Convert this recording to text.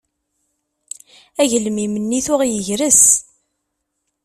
Agelmim-nni tuɣ yegres.